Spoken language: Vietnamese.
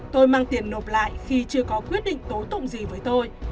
tôi mang tiền nộp lại khi chưa có quyết định tố tụng gì với tôi